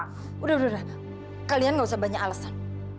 sudah sudah sudah kalian tidak perlu banyak alasan